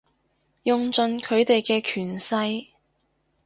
用盡佢哋嘅權勢